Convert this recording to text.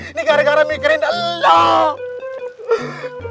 ini gara gara mikirin allah